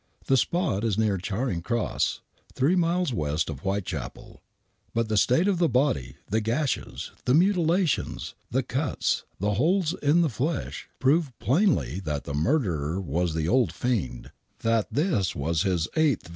The spot is near Charing Cross, three miles west of White chapel. But the state of the body, the gashes, the mutilations, the cuts, the holes in the flesh, proved plainly that the murderer was the old fiend ; that this was his eighth victim.